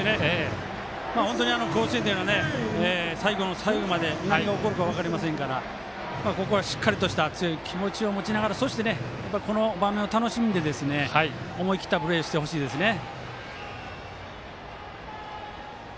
本当に甲子園で最後の最後まで何が起こるか分かりませんからしっかりした強い気持ちを持ちながらそして、この場面を楽しんで思い切ったプレーをしてほしいですね。